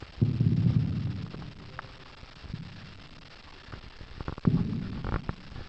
La empresa encargada de la promoción de los espectáculos es Live Nation.